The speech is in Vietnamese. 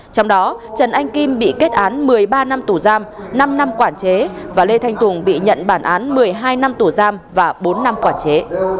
trong đó trần anh kim bị kết án một mươi ba năm tù giam năm năm quản chế và lê thanh tùng bị nhận bản án một mươi hai năm tù giam và bốn năm quản chế